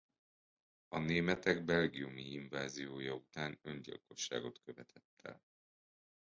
A németek belgiumi inváziója után öngyilkosságot követett el.